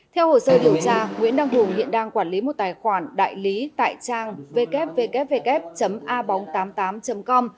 theo hồ sơ điều tra nguyễn đăng hùng hiện đang quản lý một tài khoản đại lý tại trang www abong tám mươi tám com